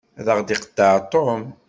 Ad aɣ-d-iqeṭṭeɛ Tom.